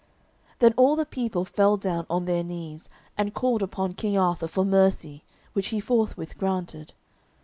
Then all the people fell down on their knees, and called upon King Arthur for mercy, which he forthwith granted.